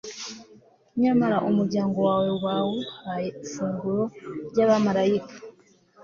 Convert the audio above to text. nyamara umuryango wawe wawuhaye ifunguro ry'abamalayika